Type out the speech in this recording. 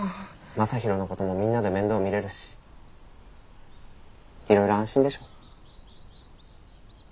将大のこともみんなで面倒見れるしいろいろ安心でしょ。